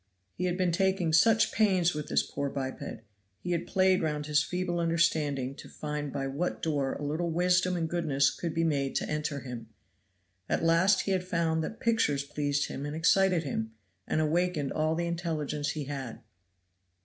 He had been taking such pains with this poor biped; he had played round his feeble understanding to find by what door a little wisdom and goodness could be made to enter him. At last he had found that pictures pleased him and excited him, and awakened all the intelligence he had.